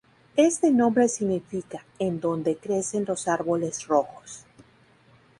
Este nombre significa ""En donde crecen los árboles rojos"".